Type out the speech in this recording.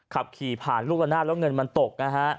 ขับขี่ผ่านลูกละนาดแล้วเงินมันตกนะฮะ